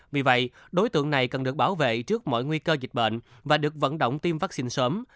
vì vậy đối tượng này cần được bảo vệ trước mọi nguy cơ dịch bệnh và được vận động tiêm vaccine sớm